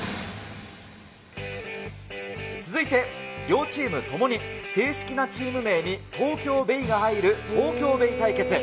続いて両チームともに正式なチーム名に東京ベイが入る東京ベイ対決。